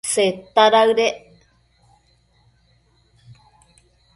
Seta daëdec